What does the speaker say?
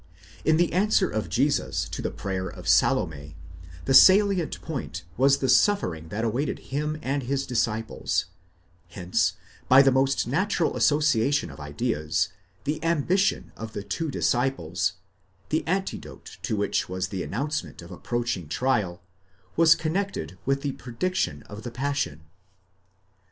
Inthe answer of Jesus to the prayer of Salome, the salient point was the suffering that awaited him and his disciples ; hence by the most natural association of ideas, the ambition of the two disciples, the antidote to which was the announcement of approaching trial, was connected with the prediction of the passion.